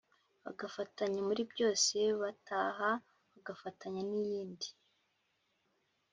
bagafatanya muri byose, bataha bagafatanya n’iyindi